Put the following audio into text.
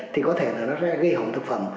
thì có thể là nó sẽ gây hỏng thực phẩm